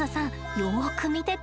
よく見てて。